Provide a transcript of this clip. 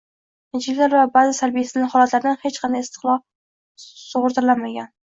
Qiyinchiliklar va ba’zi salbiy istisno holatlardan hech qanday islohot sug‘urtalanmagan.